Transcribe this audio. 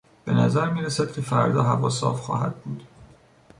بهنظر میرسد که فردا هوا صاف خواهد بود.